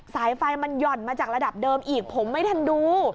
สายไฟมันหย่อนมาจากระดับเดิมอีกผมไม่ทันดู